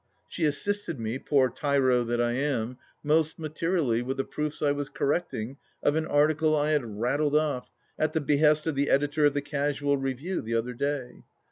She assisted me, poor tyro that I am, most materially with the proofs I was correcting of an article I had rattled oft at the behest of the editor of The Casual Review the other day.